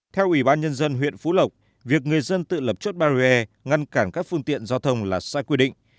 theo ủy ban nhân dân huyện phú lộc việc người dân tự lập chốt barrier ngăn cản các phương tiện giao thông là sai quy định